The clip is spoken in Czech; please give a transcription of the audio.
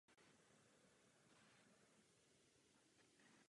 V tomto roce byl jmenován ministrem školství.